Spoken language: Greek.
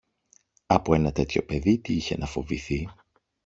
Από ένα τέτοιο παιδί τι είχε να φοβηθεί;